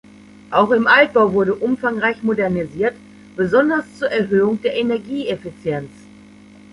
Auch im Altbau wurde umfangreich modernisiert, besonders zur Erhöhung der Energieeffizienz.